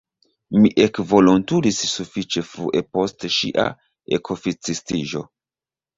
Mi ekvolontulis sufiĉe frue post ŝia ekoficistiĝo.